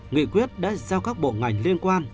nghị quyết đã giao các bộ ngành liên quan